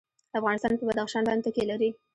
افغانستان په بدخشان باندې تکیه لري.